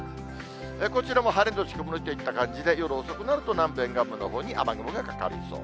こちらも晴れ後曇りといった感じで、夜遅くなると南部沿岸部のほうに雨雲がかかりそう。